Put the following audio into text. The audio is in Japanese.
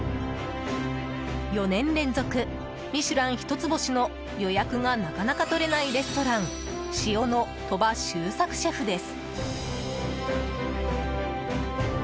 ４年連続「ミシュラン」一つ星の予約がなかなか取れないレストランｓｉｏの鳥羽周作シェフです。